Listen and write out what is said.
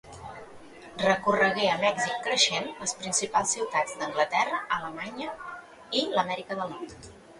Recorregué amb èxit creixent les principals ciutats d'Anglaterra, Alemanya i l'Amèrica del Nord.